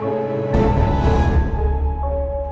jangan sampai nyesel